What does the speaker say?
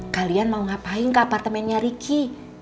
kalian mau ngapain ke apartemennya ricky